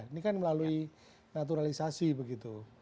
ini kan melalui naturalisasi begitu